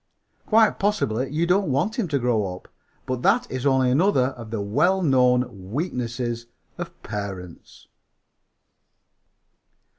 Quite possibly you don't want him to grow up; but that is only another of the well known weaknesses of parents!"